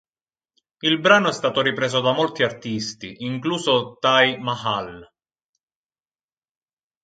Il brano è stato ripreso da molti artisti, incluso Taj Mahal.